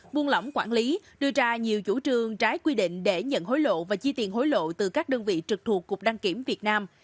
buôn lỏng quản lý đưa ra nhiều chủ trương trái quy định để nhận hối lộ và chi tiền hối lộ từ các đơn vị trực thuộc cục đăng kiểm việt nam